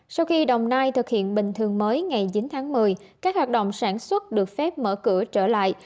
sau khi đồng nai thực hiện bình thường mới ngày chín tháng một mươi các hoạt động sản xuất được phép mở cửa trở lại